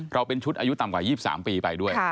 เป็นชุดอายุต่ำกว่า๒๓ปีไปด้วย